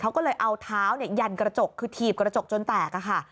เขาก็เลยเอาเท้ายันกระจกคือถีบกระจกจนแตกค่ะ